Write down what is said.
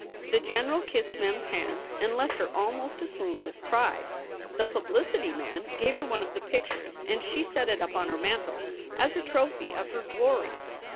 The general kissed Mem s hand and left her almost aswoon with pride. The publicity man gave her one of the pictures and she set it up on her mantel as a trophy of her glory.